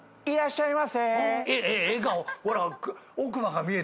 いらっしゃいませ。